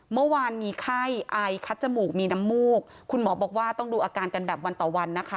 เมื่อวานมีไข้ไอคัดจมูกมีน้ำมูกคุณหมอบอกว่าต้องดูอาการกันแบบวันต่อวันนะคะ